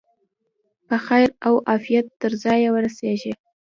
په خیر او عافیت تر ځایه ورسیږي.